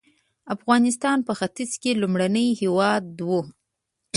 افغانستان په ختیځ کې لومړنی هېواد و.